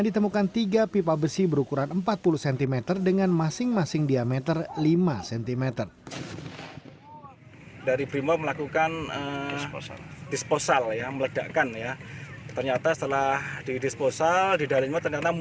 ditemukan tiga pipa besi berukuran empat puluh cm dengan masing masing diameter lima cm